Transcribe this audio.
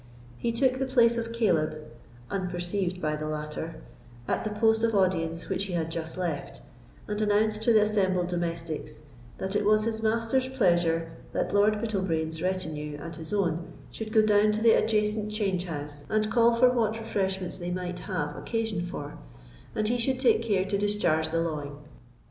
He took the place of Caleb (unperceived by the latter) at the post of audience which he had just left, and announced to the assembled domestics, "That it was his master's pleasure that Lord Bittlebrain's retinue and his own should go down to the adjacent change house and call for what refreshments they might have occasion for, and he should take care to discharge the lawing."